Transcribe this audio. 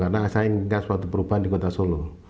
karena saya ingin memberikan perubahan di kota solo